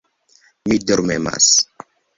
Mi dormemas.